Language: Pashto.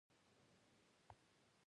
خو د دې ګامونو لپاره واک ته اړتیا ده.